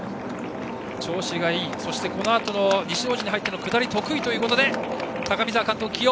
調子がいい、そしてこのあとの西大路に入っても下りも得意ということで高見澤監督、起用。